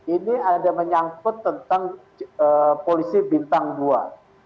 ini ada menyangkut tentang polisi bintang dua